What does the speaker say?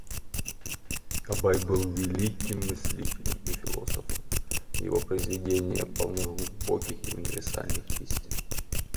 Абай был великим мыслителем и философом, его произведения полны глубоких и универсальных истин.